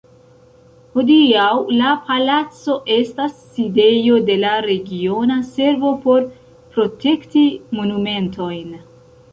Hodiaŭ la palaco estas sidejo de la Regiona Servo por Protekti Monumentojn.